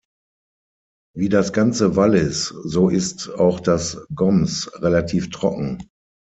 Wie das ganze Wallis, so ist auch das Goms relativ trocken.